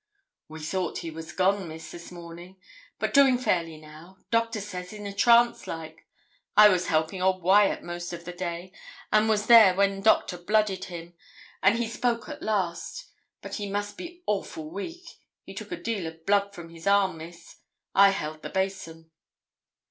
'We thought he was gone, Miss, this morning, but doing fairly now; doctor says in a trance like. I was helping old Wyat most of the day, and was there when doctor blooded him, an' he spoke at last; but he must be awful weak, he took a deal o' blood from his arm, Miss; I held the basin.'